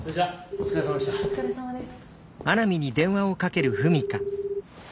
お疲れさまです。